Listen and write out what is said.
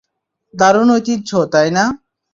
দারুণ ঐতিহ্য, তাই-না?